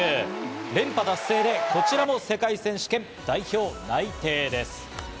連覇達成で、こちらも世界選手権代表内定です。